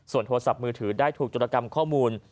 โทรศัพท์มือถือได้ถูกจรกรรมข้อมูล